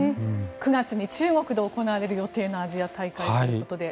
９月に中国で行われる予定のアジア大会ということで。